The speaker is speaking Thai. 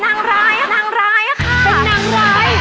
นางร้ายอะนางร้ายอะค่ะ